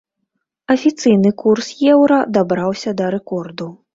Афіцыйны курс еўра дабраўся да рэкорду.